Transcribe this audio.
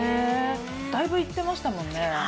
だいぶいってましたもんね。